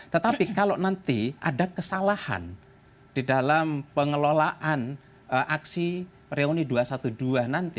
tetapi kalau nanti ada kesalahan di dalam pengelolaan aksi reuni dua ratus dua belas nanti